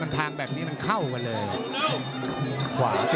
ส่วนคู่ต่อไปของกาวสีมือเจ้าระเข้ยวนะครับขอบคุณด้วย